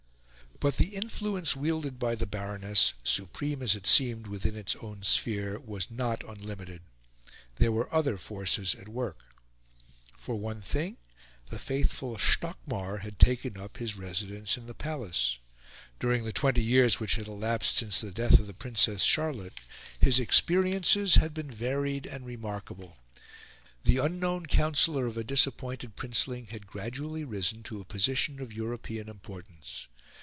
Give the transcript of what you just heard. But the influence wielded by the Baroness, supreme as it seemed within its own sphere, was not unlimited; there were other forces at work. For one thing, the faithful Stockmar had taken up his residence in the palace. During the twenty years which had elapsed since the death of the Princess Charlotte, his experiences had been varied and remarkable. The unknown counsellor of a disappointed princeling had gradually risen to a position of European importance.